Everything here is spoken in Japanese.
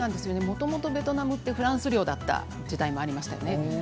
もともとベトナムはフランス領の時代がありましたよね。